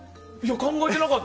考えてなかった！